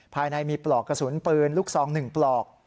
ภายในมีปลอกกระสุนปืนลูกซอง๑ปลอก